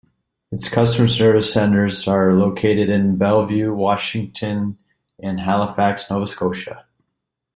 Its customer service centers are located in Bellevue, Washington and Halifax, Nova Scotia.